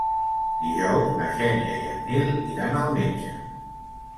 Dijous na Xènia i en Nil iran al metge.